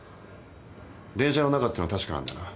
「電車の中」っていうのは確かなんだな？